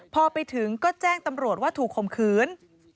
พอไปถึงก็แจ้งตำรวจว่าถูกข่มขืน